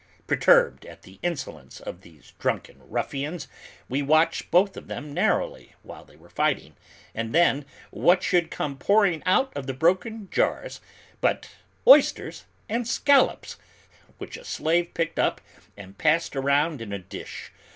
Perturbed at the insolence of these drunken ruffians, we watched both of them narrowly, while they were fighting, and then, what should come pouring out of the broken jars but oysters and scallops, which a slave picked up and passed around in a dish.